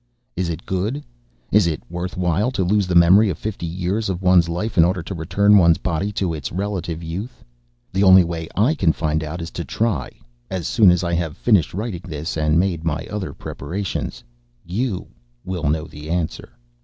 "Is it good? Is it worth while to lose the memory of fifty years of one's life in order to return one's body to relative youth? The only way I can find out is to try, as soon as I have finished writing this and made my other preparations. "You will know the answer.